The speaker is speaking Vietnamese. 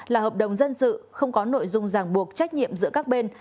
là hợp đồng dân sự không có nội dung ràng buộc trách nhiệm giữa các bên